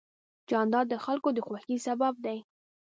جانداد د خلکو د خوښۍ سبب دی.